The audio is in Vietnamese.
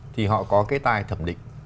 thì họ có cái tai thẩm định